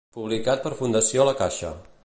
Publicat per Fundació La Caixa.